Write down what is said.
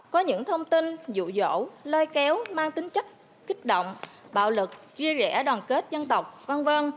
có những thông tin dụ dỗ lôi kéo mang tính chất kích động bạo lực chia rẽ đoàn kết dân tộc v v